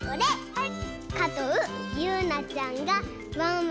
はい。